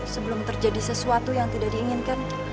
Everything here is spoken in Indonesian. sebelum terjadi sesuatu yang tidak diinginkan